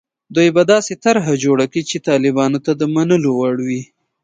دوی به داسې طرح جوړه کړي چې طالبانو ته د منلو وړ وي.